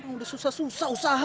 udah susah susah usaha